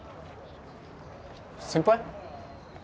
先輩？